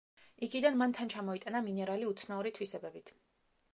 იქიდან მან თან ჩამოიტანა მინერალი უცნაური თვისებებით.